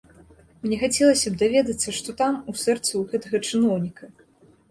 Мне хацелася б даведацца, што там, у сэрцы ў гэтага чыноўніка.